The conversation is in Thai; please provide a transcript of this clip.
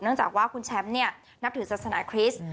จากว่าคุณแชมป์เนี่ยนับถือศาสนาคริสต์